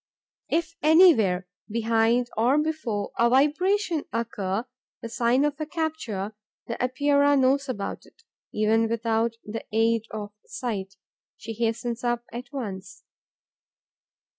If anywhere, behind or before, a vibration occur, the sign of a capture, the Epeira knows about it, even without the aid of sight. She hastens up at once.